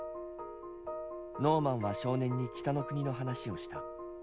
ノーマンは少年に北の国の話をした。